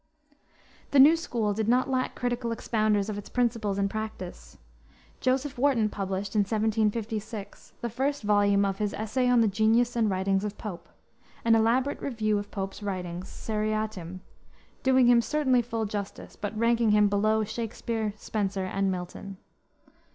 The new school did not lack critical expounders of its principles and practice. Joseph Warton published, in 1756, the first volume of his Essay on the Genius and Writings of Pope, an elaborate review of Pope's writings seriatim, doing him certainly full justice, but ranking him below Shakspere, Spenser, and Milton.